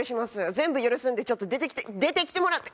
全部許すんでちょっと出てきて出てきてもらっておお！